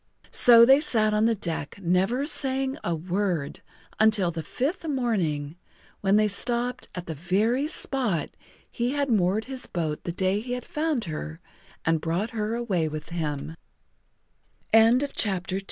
So they sat on the deck, never saying a word, until the fifth morning, when they stopped at the very spot he had moored his boat the day he had found her and brought h